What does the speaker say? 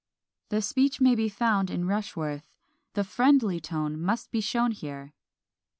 The speech may be found in Rushworth; the friendly tone must be shown here.